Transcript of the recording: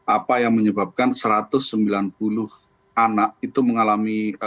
apa yang menyebabkan satu ratus sembilan puluh anak itu mengalami